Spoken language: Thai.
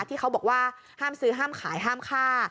ที่เขาบอกว่าห้ามซื้อห้ามขายห้ามค่า